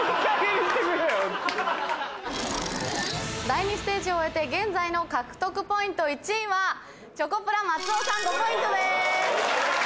第２ステージを終えて現在の獲得ポイント１位はチョコプラ・松尾さん５ポイントです。